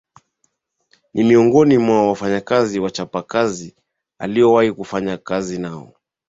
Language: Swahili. Ni miongoni mwa viongozi wachapa kazi aliowahi kufanya kazi nao